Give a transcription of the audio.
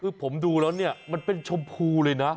คือผมดูแล้วเนี่ยมันเป็นชมพูเลยนะ